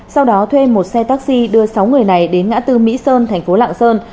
sau đó thuê một xe taxi đưa sáu người này đến ngã tư mỹ sơn thành phố lạng sơn